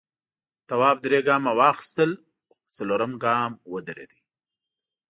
تواب درې گامه واخیستل خو په څلورم گام ودرېد.